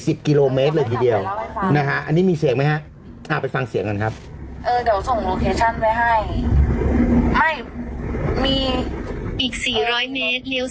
อีก๔๐๐เมตรเลี้ยวซ้ายไปยังขนวนไว้เลข๓๔๐๓